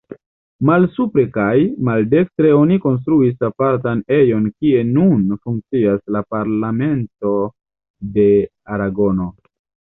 Malsupre kaj, maldekstre, oni konstruis apartan ejon kie nun funkcias la parlamento de Aragono.